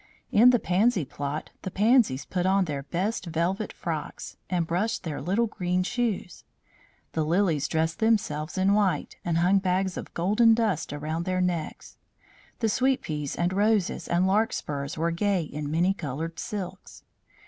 In the pansy plot the pansies put on their best velvet frocks, and brushed their little green shoes. The lilies dressed themselves in white, and hung bags of golden dust around their necks. The sweet peas and roses and larkspurs were gay in many coloured silks.